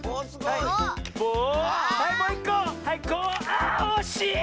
あおしい！